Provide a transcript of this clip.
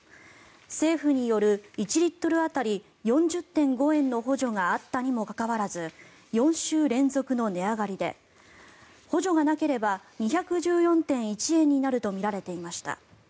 政府による１リットル当たり４０．５円の補助があったにもかかわらず４週連続の値上がりで補助がなければ２１４．１円になるとみられていました。